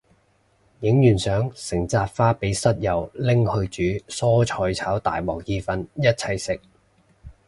影完相成紮花俾室友拎去煮蔬菜炒大鑊意粉一齊食